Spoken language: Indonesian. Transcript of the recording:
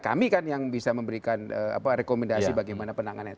kami kan yang bisa memberikan rekomendasi bagaimana penanganannya